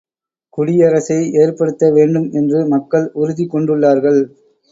குடியரசை ஏற்படுத்த வேண்டும் என்று மக்கள் உறுதி கொண்டுள்ளார்கள்.